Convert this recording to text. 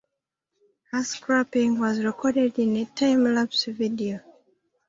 Her scrapping was recorded in a time-lapse video.